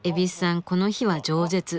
この日は饒舌！